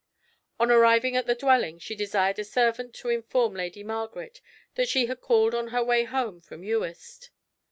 On arriving at the dwelling, she desired a servant to inform Lady Margaret that she had called on her way home from Uist.